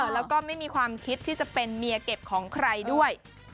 แล้วก็ไม่มีความคิดที่จะเป็นเมียเก็บของใครด้วย